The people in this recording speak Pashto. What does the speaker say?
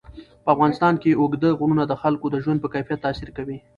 په افغانستان کې اوږده غرونه د خلکو د ژوند په کیفیت تاثیر کوي.